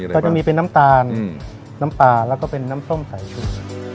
ก็จะมีเป็นน้ำตาลน้ำปลาแล้วก็เป็นน้ำส้มใส่ชุด